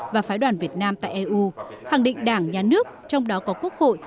và phái đoàn việt nam tại eu khẳng định đảng nhà nước trong đó có quốc hội